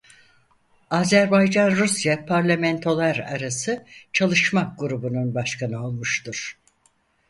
Azerbaycan-Rusya parlamentolar arası çalışma grubunun başkanı olmuştur.